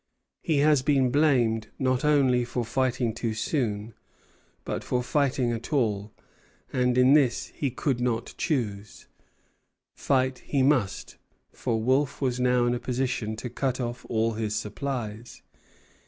He has been blamed not only for fighting too soon, but for fighting at all. In this he could not choose. Fight he must, for Wolfe was now in a position to cut off all his supplies.